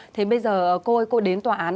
thế bây giờ cô ơi cô đến tòa án